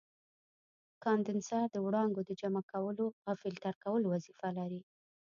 کاندنسر د وړانګو د جمع کولو او فلټر کولو وظیفه لري.